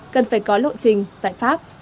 cần phải có lộ trình giải pháp